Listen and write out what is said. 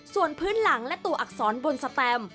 ส่วนพื้นหลังและตัวอักษรบนสแตม